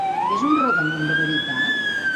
És un rodamon de veritat?